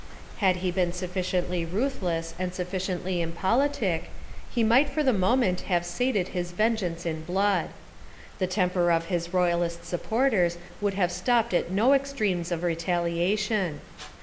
Had he been sufficiently ruthless and sufficiently impolitic he might for the moment have sated his vengeance in blood. The temper of his royalist supporters would have stopped at no extremes of retaliation.